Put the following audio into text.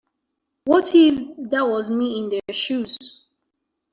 What if that was me in their shoes.